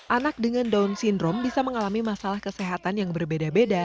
anak dengan down syndrome bisa mengalami masalah kesehatan yang berbeda beda